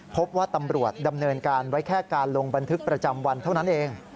พบว่าตำรวจดำเนินการไว้แค่การลงบันทึกประจำวันเท่านั้นเอง